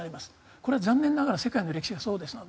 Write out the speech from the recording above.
これは残念ながら世界の歴史がそうですので。